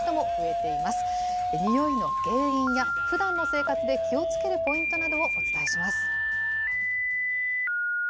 においの原因や、ふだんの生活で気をつけるポイントなどをお伝えします。